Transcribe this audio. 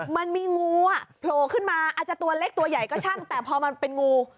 มันมีงูอ่ะโผล่ขึ้นมาอาจจะตัวเล็กตัวใหญ่ก็ช่างแต่พอมันเป็นงู